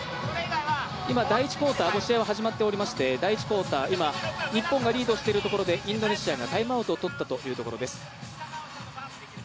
今、第１クオーター、もう試合が始まっていまして第１クオーター日本がリードしているところでインドネシアがタイムアウトをとったというところです。